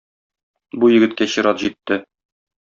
Бу егеткә чират җитте.